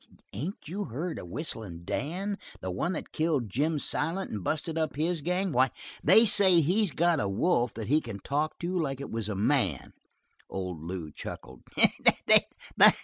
"Ain't you heard of Whistlin' Dan? The one that killed Jim Silent and busted up his gang. Why, they say he's got a wolf that he can talk to like it was a man." Old Lew chuckled.